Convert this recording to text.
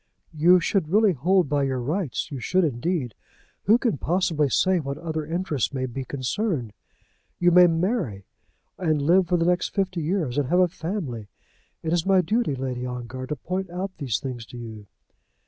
"You should really hold by your rights; you should, indeed. Who can possibly say what other interests may be concerned? You may marry, and live for the next fifty years, and have a family. It is my duty, Lady Ongar, to point out these things to you."